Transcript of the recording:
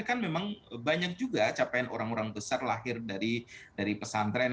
kan memang banyak juga capaian orang orang besar lahir dari pesantren